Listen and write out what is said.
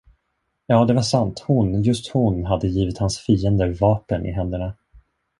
Ja, det var sant, hon, just hon, hade givit hans fiender vapen i händerna.